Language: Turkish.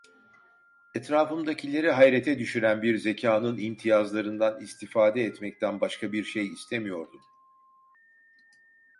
Etrafımdakileri hayrete düşüren bir zekanın imtiyazlarından istifade etmekten başka bir şey istemiyordum.